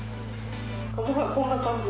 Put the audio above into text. こんな感じ。